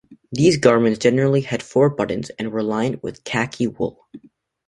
These garments generally had four buttons and were lined with khaki wool.